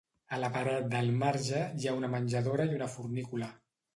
A la paret del marge hi ha una menjadora i una fornícula.